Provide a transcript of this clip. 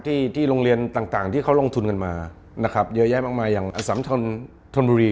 ที่ที่โรงเรียนต่างที่เขาลงทุนกันมานะครับเยอะแยะมากมายอย่างอสัมธนบุรี